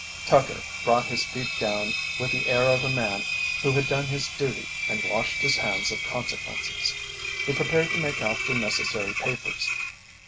Tucker brought his feet down with the air of a man who had done his duty and washed his hands of consequences; he prepared to make out the necessary papers.